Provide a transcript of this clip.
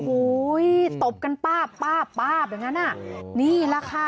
อุ้ยตบกันป้าบอย่างนั้นน่ะ